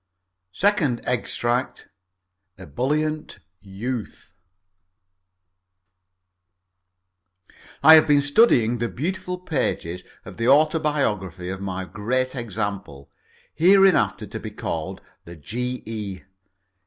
SECOND EXTRACT EBULLIENT YOUTH I have been studying the beautiful pages of the autobiography of my Great Example hereinafter to be called the G.E.